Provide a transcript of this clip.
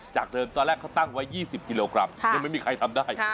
จากเดิมตอนแรกเขาตั้งไว้๒๐กิโลกรัมยังไม่มีใครทำได้